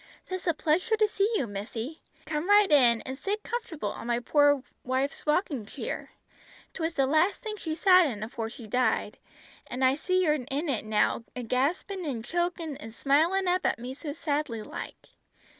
"'Tis a pleasure to see you, missy. Come right in, an' sit comfortable on my poor wife's rocking cheer. 'Twas the last thing she sat in afore she died, an' I see her in it now a gaspin' an' chokin', an' smilin' up at me so sadly like.